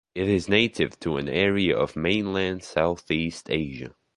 It is native to an area of Mainland Southeast Asia.